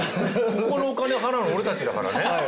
ここのお金払うの俺たちだからね。